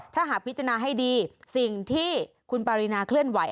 ถ้าหากพิจารณาให้ดีสิ่งที่คุณปารินาเคลื่อนไหว